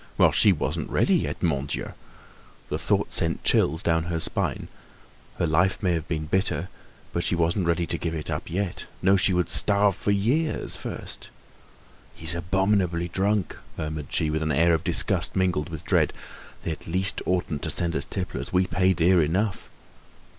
Well, she wasn't ready yet. Mon Dieu! The thought sent chills down her spine. Her life may have been bitter, but she wasn't ready to give it up yet. No, she would starve for years first. "He's abominably drunk," murmured she, with an air of disgust mingled with dread. "They at least oughtn't to send us tipplers. We pay dear enough."